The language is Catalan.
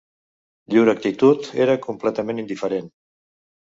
Llur actitud era completament indiferent